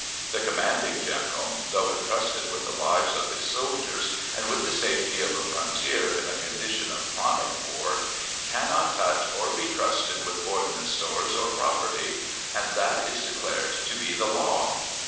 The commanding general though intrusted with the lives of his soldiers and with the safety of a frontier in a condition of chronic war cannot touch or be trusted with ordnance stores or property, and that is declared to be the law!